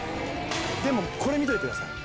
でも、これ見ていてください。